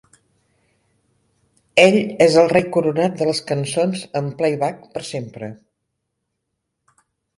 Ell és el rei coronat de les cançons en playback per sempre.